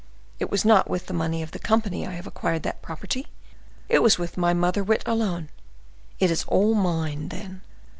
It was not with the money of the company I have acquired that property, it was with my mother wit alone; it is all mine, then.